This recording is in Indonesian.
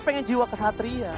aku pengen jiwa kesatria